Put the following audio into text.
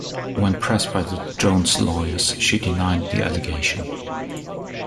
When pressed by the Jones lawyers, she denied the allegation.